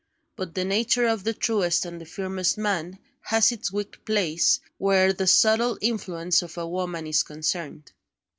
But the nature of the truest and the firmest man has its weak place, where the subtle influence of a woman is concerned.